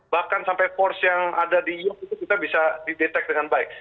bahkan sampai force yang ada di yield itu kita bisa didetek dengan baik